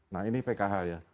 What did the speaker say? nah ini pkh ya